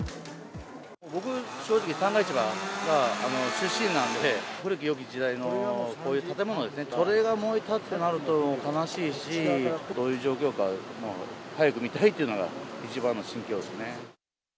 僕、正直、旦過市場が出身なので、古きよき時代のこういう建物ですね、それが燃えたってなると悲しいし、どういう状況か、早く見たいっていうのが、一番の心境ですね。